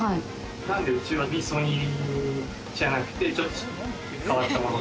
なんで、うちはみそにじゃなくて、ちょっと変わったもの。